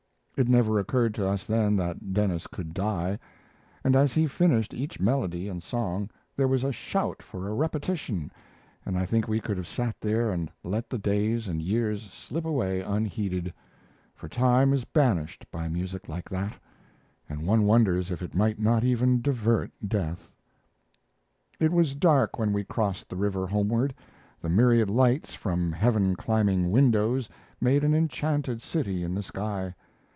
It never occurred to us then that Denis could die; and as he finished each melody and song there was a shout for a repetition, and I think we could have sat there and let the days and years slip away unheeded, for time is banished by music like that, and one wonders if it might not even divert death. It was dark when we crossed the river homeward; the myriad lights from heaven climbing windows made an enchanted city in the sky.